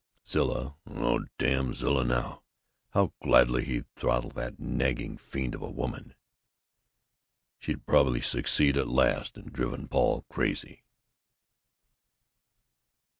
Zilla (oh, damn Zilla! how gladly he'd throttle that nagging fiend of a woman!) she'd probably succeeded at last, and driven Paul crazy.